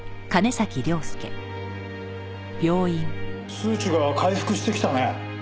数値が回復してきたね。